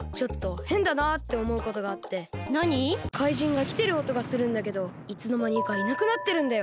かいじんがきてるおとがするんだけどいつのまにかいなくなってるんだよ。